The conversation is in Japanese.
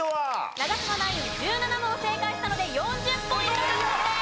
長嶋ナイン１７問正解したので４０ポイント獲得です！